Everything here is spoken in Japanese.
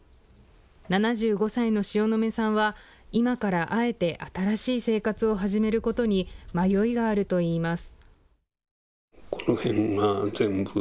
７５歳の塩野目さんは今からあえて新しい生活を始めることに迷いがあるといいます。